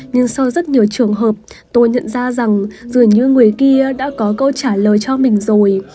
nhưng sau rất nhiều trường hợp tôi nhận ra rằng dường như người kia đã có câu trả lời cho mình rồi